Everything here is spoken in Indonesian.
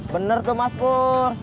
bener tuh mas pur